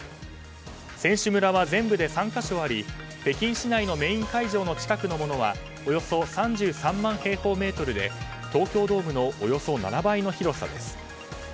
選手村は全部で３か所あり北京市内のメイン会場の近くのものはおよそ３３万平方メートルで東京ドームのおよそ７倍の広さです。